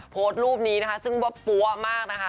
โพสต์รูปนี้นะคะซึ่งว่าปั๊วมากนะคะ